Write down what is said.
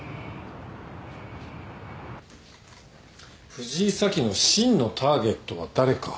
藤井早紀の真のターゲットは誰か。